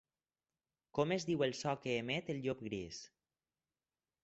Com es diu el so que emet el llop gris?